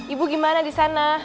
ibu gimana di sana